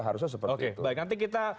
harusnya seperti itu baik nanti kita